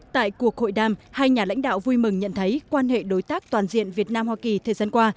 tại cuộc hội đàm hai nhà lãnh đạo vui mừng nhận thấy quan hệ đối tác toàn diện việt nam hoa kỳ thời gian qua